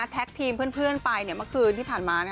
ทีมเพื่อนไปเมื่อคืนที่ผ่านมา